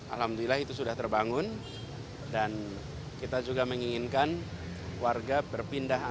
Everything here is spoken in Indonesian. alhamdulillah itu sudah terbangun dan kita juga menginginkan warga berpindah